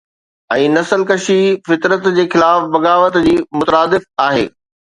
۽ نسل ڪشي فطرت جي خلاف بغاوت جي مترادف آهي